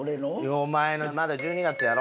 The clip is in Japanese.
お前のまだ１２月やろ。